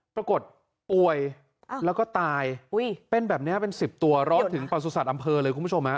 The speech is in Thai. ปรากฏป่วยแล้วก็ตายเป็นแบบนี้เป็น๑๐ตัวร้อนถึงประสุทธิ์อำเภอเลยคุณผู้ชม